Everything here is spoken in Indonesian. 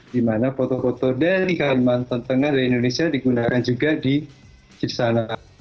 di mana foto foto dari halaman tentengah dan indonesia digunakan juga di sana